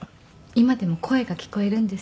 今でも声が聞こえるんですよね。